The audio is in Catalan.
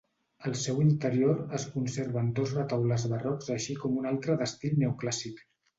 Al seu interior es conserven dos retaules barrocs així com un altre d'estil neoclàssic.